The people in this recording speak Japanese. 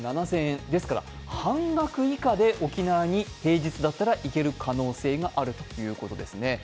ですから半額以下で沖縄に平日だったら行ける可能性があるということですね。